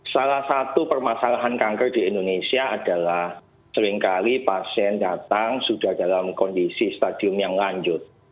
salah satu permasalahan kanker di indonesia adalah seringkali pasien datang sudah dalam kondisi stadium yang lanjut